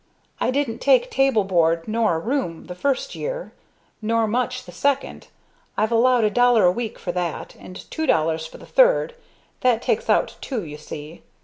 "I didn't take table board nor a room the first year nor much the second. I've allowed $1.00 a week for that, and $2.00 for the third that takes out two, you see.